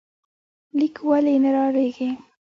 ليک ولې نه رالېږې؟